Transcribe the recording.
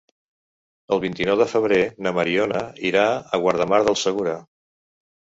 El vint-i-nou de febrer na Mariona irà a Guardamar del Segura.